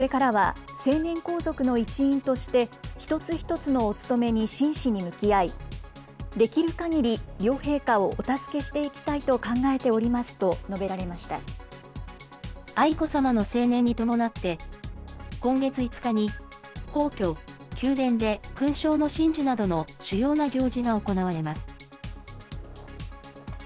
その上で、これからは成年皇族の一員として、一つ一つのお務めに真摯に向き合い、できるかぎり両陛下をお助けしていきたいと考えておりますと述べ愛子さまの成年に伴って、今月５日に皇居・宮殿で、勲章の親授などの主要な行事が行われます。